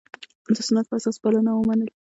د سنت په اساس بلنه ومنله.